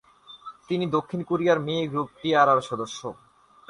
তিনি দক্ষিণ কোরিয়ার মেয়ে গ্রুপ টি-আরার সদস্য।